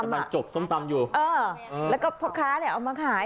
กำลังจบส้มตำอยู่เออแล้วก็พ่อค้าเนี่ยเอามาขาย